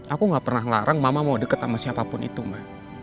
aku gak pernah larang mama mau deket sama siapapun itu mah